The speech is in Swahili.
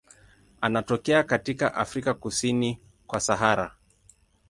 Anatokea katika Afrika kusini kwa Sahara.